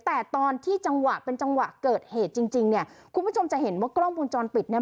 แต่ตอนที่จังหวะเป็นจังหวะเกิดเหตุจริงจริงเนี่ยคุณผู้ชมจะเห็นว่ากล้องวงจรปิดเนี่ย